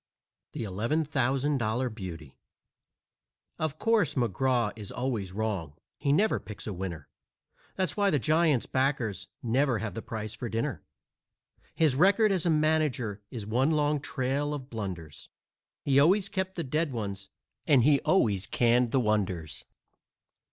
THE $11,000 BEAUTY Of course, McGraw is always wrong he never picks a winner. That's why the Giant's backers never have the price for dinner. His record as a manager is one long trail of blunders He always kept the dead ones and he always canned the wonders.